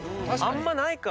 あんまないか。